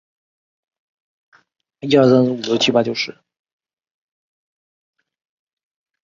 伊顿公学以其古老的传统和特别的校服而闻名。